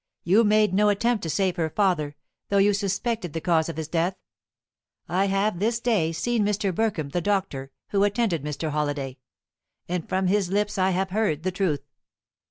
"You made no attempt to save her father, though you suspected the cause of his death. I have this day seen Mr. Burkham, the doctor who attended Mr. Halliday, and from his lips I have heard the truth.